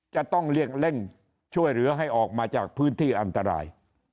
จะต้องเร่งช่วยเหลือให้ออกมาจากพื้นที่อันตราย